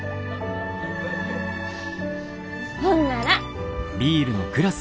ほんなら。